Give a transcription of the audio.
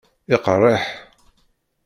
Iqeṛṛeḥ!